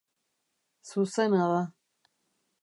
Zuzena da.